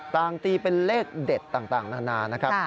งตีเป็นเลขเด็ดต่างนานานะครับ